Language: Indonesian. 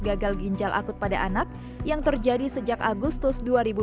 gagal ginjal akut pada anak yang terjadi sejak agustus dua ribu dua puluh